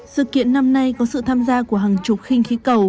sự kiện năm nay có sự tham gia của hàng chục khinh khí cầu